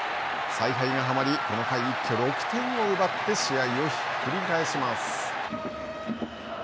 采配がはまりこの回一挙６点を奪って試合をひっくり返します。